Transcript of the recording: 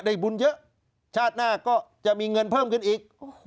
บุญเยอะชาติหน้าก็จะมีเงินเพิ่มขึ้นอีก